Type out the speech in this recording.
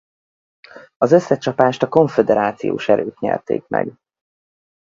Az összecsapást a konföderációs erők nyerték meg.